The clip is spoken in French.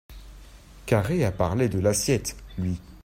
Carré a parlé de l’assiette, lui.